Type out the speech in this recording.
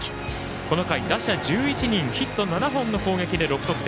この回、打者１１人ヒット７本の攻撃で６得点。